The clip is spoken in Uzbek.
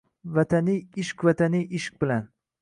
Vataniy ish vataniy ishq bilan